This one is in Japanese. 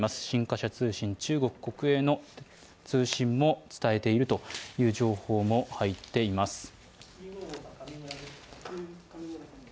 新華社通信、中国国営の通信も伝えているという情報も入っています。